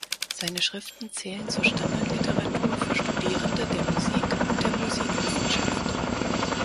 Seine Schriften zählen zur Standardliteratur für Studierende der Musik und der Musikwissenschaft.